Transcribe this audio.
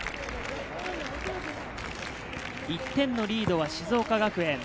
１点のリードは静岡学園。